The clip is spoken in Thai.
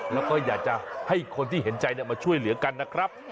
แล้วก็อยากจะให้คนที่เห็นใจมาช่วยเหลือกันนะครับ